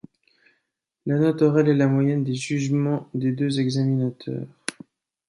La note orale est la moyenne des jugements des deux examinateurs.